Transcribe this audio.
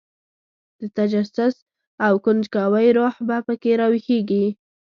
د تجسس او کنجکاوۍ روح په کې راویښېږي.